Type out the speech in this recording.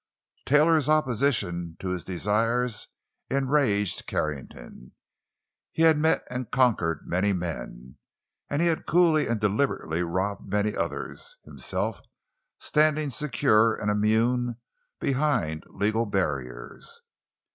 Taylor's opposition to his desires enraged Carrington. He had met and conquered many men—and he had coolly and deliberately robbed many others, himself standing secure and immune behind legal barriers.